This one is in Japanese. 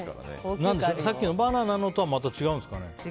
さっきのバナナとはまた違うんですかね。